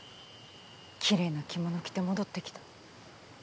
きれいな着物着て戻ってきた。